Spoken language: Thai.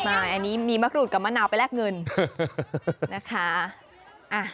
ใช่อันนี้มีมะกรูดกับมะนาวไปแลกเงินนะคะ